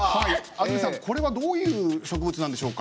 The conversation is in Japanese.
安住さんこれはどういう植物なんでしょうか？